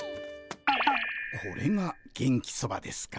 これが元気そばですか。